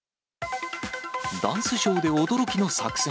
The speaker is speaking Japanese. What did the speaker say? ダンスショーで驚きの作戦。